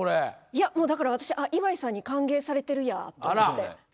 いやもうだから私あっ磐井さんに歓迎されてるやと思って。